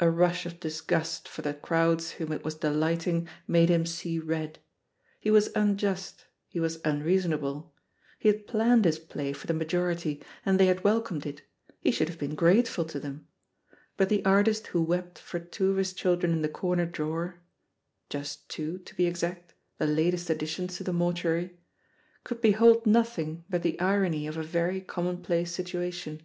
A rush of disgust for the crowds whom it was delighting made him see red. He was unjust, he was unreasonable — ^he had planned his play for the majority, and they had welcomed it, he should have been grateful to them; but the artist who wept for two of his children in the comer drawer — ^just two, to be exact, the latest additions to the mortuary — could behold nothing but the irony of a very commonplace situation.